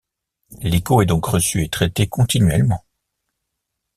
L'écho est donc reçu et traité continuellement.